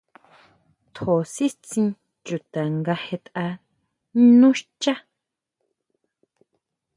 Tjó sitsín chuta nga jetʼa nú xchá.